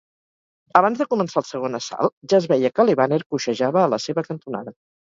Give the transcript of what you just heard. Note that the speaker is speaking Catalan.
Abans de començar el segon assalt, ja es veia que LeBanner coixejava a la seva cantonada.